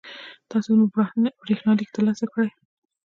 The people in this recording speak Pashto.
تاسو زما برېښنالیک ترلاسه کړی؟